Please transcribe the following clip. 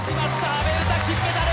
阿部詩金メダル！